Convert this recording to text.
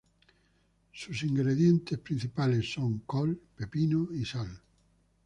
Sus ingredientes principales son col, pepino, y sal.